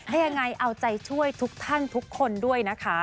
ยังไงเอาใจช่วยทุกท่านทุกคนด้วยนะคะ